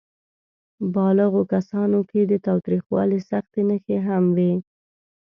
بالغو کسانو کې د تاوتریخوالي سختې نښې هم وې.